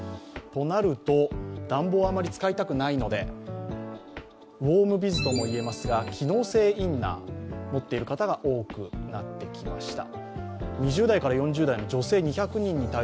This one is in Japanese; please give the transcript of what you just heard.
となると、暖房をあまり使いたくないのでウォームビズとも言いますが、機能性インナーを持っている人が多くなってきました。